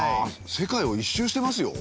世界を１周してますよ。